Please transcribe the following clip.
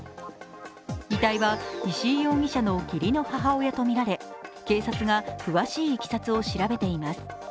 遺体は石井容疑者の義理の母親とみられ警察が詳しいいきさつを調べています。